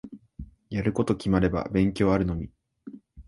やること決まれば勉強あるのみ。